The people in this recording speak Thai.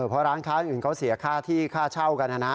เพราะร้านค้าอื่นเขาเสียค่าที่ค่าเช่ากันนะนะ